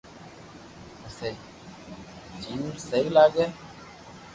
پسو جيم سھي لاگي